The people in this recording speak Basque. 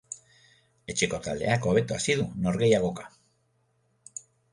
Etxeko taldeak hobeto hasi du norgehiagoka.